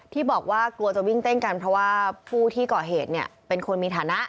ที่บอกว่ากลัวจะวิ่งเต้นกันเพราะว่าผู้ที่ก่อเหตุเนี่ยเป็นคนมีฐานะ